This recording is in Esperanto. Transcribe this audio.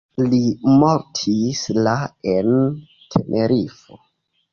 Li mortis la en Tenerifo.